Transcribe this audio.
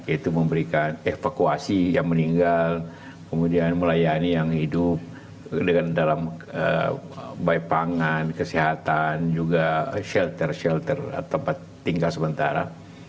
itu memberikan evakuasi yang meninggal kemudian melayani yang hidup dengan dalam baik pangan kesehatan juga shelter shelter tempat tinggal sementara